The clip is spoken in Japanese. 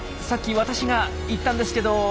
さっき私が言ったんですけど。